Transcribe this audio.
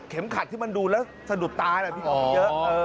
เข็มขัดที่มันดูแล้วสะดุบตาแบบนี้เยอะอ๋อ